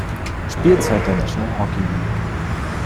Spielzeit der National Hockey League.